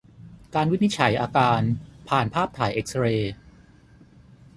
การวินิจฉัยอาการผ่านภาพถ่ายเอ็กซ์เรย์